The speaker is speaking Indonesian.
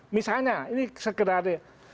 misalnya ini sekedar